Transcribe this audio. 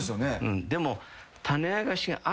でも。